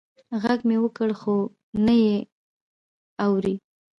غږ مې وکړ خو نه یې اږري